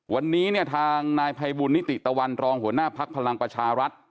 วันนี้เนี่ยทางนายภัยบุญนิติตะวันรองหัวหน้าภักดิ์พลังประชารัฐ